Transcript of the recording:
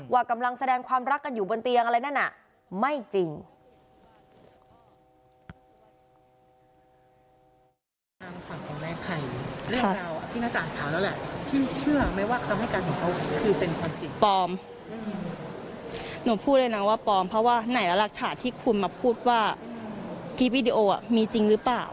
ว่ากำลังแสดงความรักกันอยู่บนเตียงอะไรนั่นน่ะไม่จริง